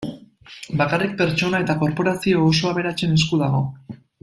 Bakarrik pertsona eta korporazio oso aberatsen esku dago.